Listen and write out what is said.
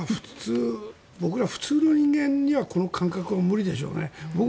普通の人間にはこの感覚は無理でしょうね。